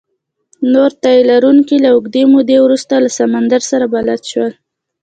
نور تي لرونکي له اوږدې مودې وروسته له سمندر سره بلد شول.